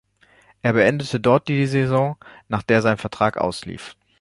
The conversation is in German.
Er beendete dort die Saison, nach der sein Vertrag auslief.